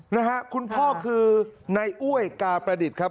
นะฮะคุณพ่อคือในอ้วยกาประดิษฐ์ครับ